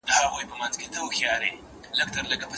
مه کوه په چا چي وبه سي په تا.